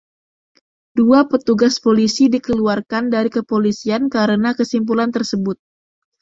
Dua petugas polisi dikeluarkan dari kepolisian karena kesimpulan tersebut.